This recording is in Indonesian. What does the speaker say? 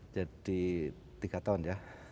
jadi tiga tahun ya